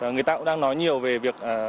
người ta cũng đang nói nhiều về việc